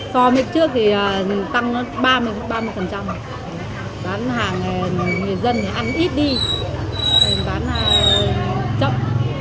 bán hàng người dân thì ăn ít đi bán chậm